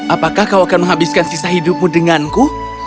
apakah kau akan menghabiskan sisa hidupmu denganku